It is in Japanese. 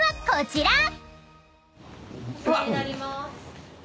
こちら。